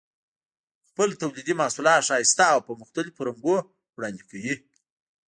خپل تولیدي محصولات ښایسته او په مختلفو رنګونو وړاندې کوي.